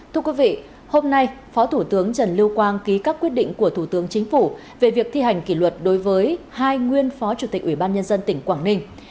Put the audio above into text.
thưa quý vị hôm nay phó thủ tướng trần lưu quang ký các quyết định của thủ tướng chính phủ về việc thi hành kỷ luật đối với hai nguyên phó chủ tịch ủy ban nhân dân tỉnh quảng ninh